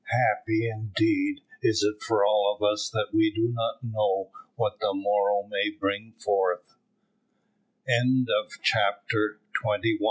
Happy, indeed, is it for all of us that we do not know what the morrow may bring forth. CHAPTER TWENTY TWO.